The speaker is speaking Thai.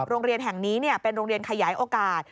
โรงเรียนแห่งนี้เป็นโรงเรียนขยายโอกาส